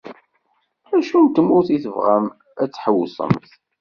Acu n tmurt i tebɣamt ad d-tḥewṣemt?